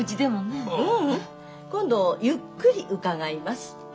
ううん今度ゆっくり伺います。